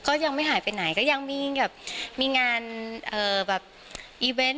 ก็ยังไม่หายไปไหนก็ยังมีงานอีเวนต์